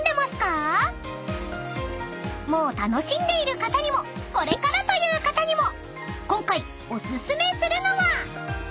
［もう楽しんでいる方にもこれからという方にも今回お薦めするのは］